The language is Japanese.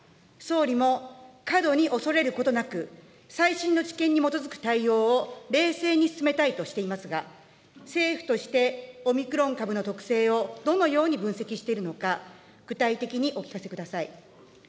総理も過度に恐れることなく、最新の知見に基づく対応を冷静に進めたいとしていますが、政府として、オミクロン株の特性をどのように分析しているのか、具体的にお聞かせください。